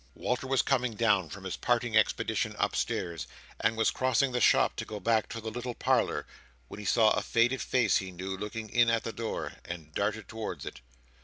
Walter was coming down from his parting expedition upstairs, and was crossing the shop to go back to the little parlour, when he saw a faded face he knew, looking in at the door, and darted towards it.